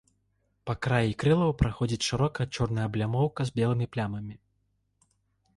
Па краі крылаў праходзіць шырокая чорная аблямоўка з белымі плямамі.